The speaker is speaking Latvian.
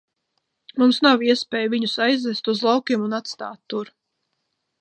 Mums nav iespēju viņus aizvest uz laukiem un atstāt tur.